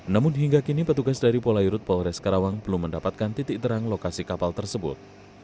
namun hingga kini petugas dari polairut polres karawang belum mendapatkan titik terang lokasi kapal tersebut